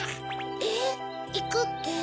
えいくって？